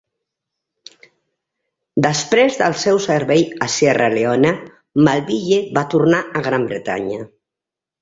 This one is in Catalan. Després del seu servei a Sierra Leone, Melville va tornar a Gran Bretanya.